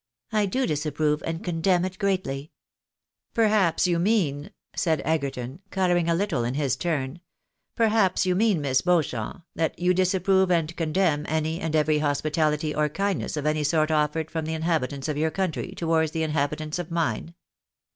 I do disapprove and condemn it greatly." " Perhaps you mean," said Egerton, colouring a little in his turn, £ 162 THE BARNABYS IN AMEEICA. " perhaps you mean, Miss Beauchamp, that you disapprove and condemn any and every hospitaUty or kindness of any sort offered from the inhabitants of your country towards the inhabitants of mine